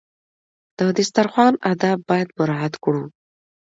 د دسترخوان آداب باید مراعات کړو.